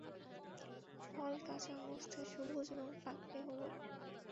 ফল কাঁচা অবস্থায় সবুজ এবং পাকলে হলুদ।